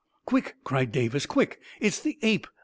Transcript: •" Quick 1 " cried Davis. " Quick 1 It's the ape